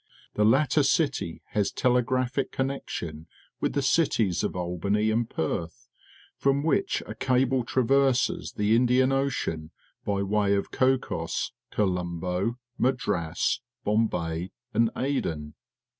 The latter city has telegraphic connection with the cities of Albany and Perth, from which a cable traverses the Indian Ocean by way of Cocos, Colombo, Madras. Bombaj', and Aden.